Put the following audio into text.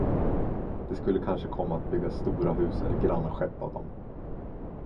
Det skulle kanske komma att byggas stora hus eller granna skepp av dem.